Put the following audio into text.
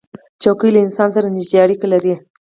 چوکۍ له انسان سره نزدې اړیکه لري.